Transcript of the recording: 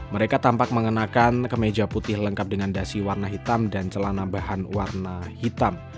mereka tampak mengenakan kemeja putih lengkap dengan dasi warna hitam dan celana bahan warna hitam